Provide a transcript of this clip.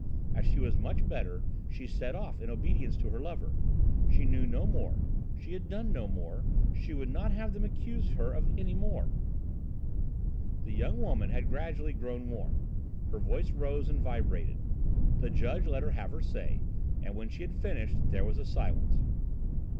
As she was much better she set off in obedience to her lover. She knew no more; she had done no more; she would not have them accuse her of any more. The young woman had gradually grown warm, her voice rose and vibrated. The judge let her have her say, and when she had finished there was a silence.